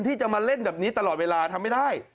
ที่จะมาเล่นแบบนี้ตลอดเวลาทำไม่ได้